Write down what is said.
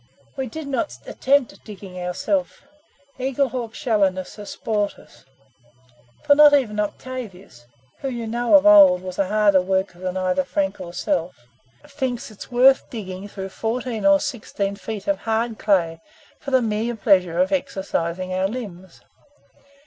We did not attempt digging ourselves. Eagle Hawk shallowness has spoilt us, for not even Octavius (who, you know of old, was a harder worker than either Frank or self) thinks it worth digging through fourteen or sixteen feet of hard clay for the mere pleasure of exercising our limbs.